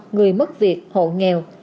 người mất việc hộ nghèo